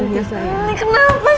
gak mau lumpuh